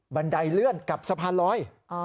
บันไดเลื่อนกับสะพานร้อย